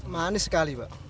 manis sekali pak